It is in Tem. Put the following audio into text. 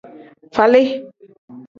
Falii.